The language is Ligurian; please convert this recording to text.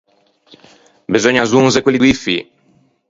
Beseugna azzonze quelli doî fî.